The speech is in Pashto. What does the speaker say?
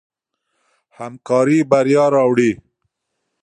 همکاري بریا راوړي.